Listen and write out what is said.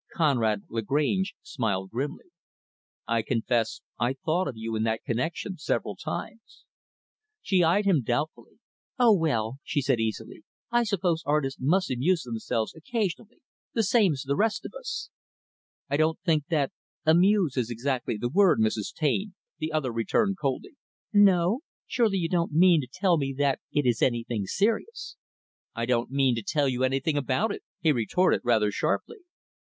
Conrad Lagrange smiled grimly. "I confess I thought of you in that connection several times." She eyed him doubtfully. "Oh, well," she said easily, "I suppose artists must amuse themselves, occasionally the same as the rest of us." "I don't think that, 'amuse' is exactly the word, Mrs. Taine," the other returned coldly. "No? Surely you don't meant to tell me that it is anything serious?" "I don't mean to tell you anything about it," he retorted rather sharply.